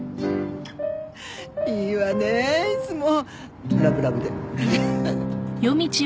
いいわねいつもラブラブで。